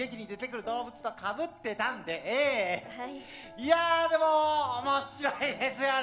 いやでも面白いですよね